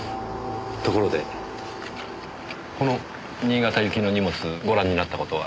ところでこの新潟行きの荷物ご覧になった事は？